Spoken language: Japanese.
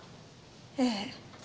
ええ。